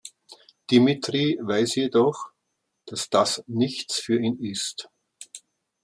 Dimitri weiß jedoch, dass das nichts für ihn ist.